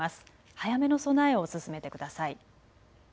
早めの備えを進めてください。